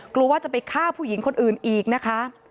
กลัวว่าจะไปฆ่าผู้หญิงคนอื่นอีกนะคะ